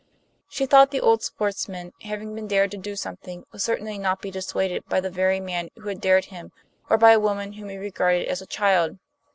She thought the old sportsman, having been dared to do something, would certainly not be dissuaded by the very man who had dared him or by a woman whom he regarded as a child.